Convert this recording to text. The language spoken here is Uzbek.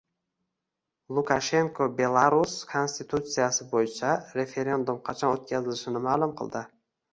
Lukashenko Belarus konstitutsiyasi bo‘yicha referendum qachon o‘tkazilishini ma’lum qildi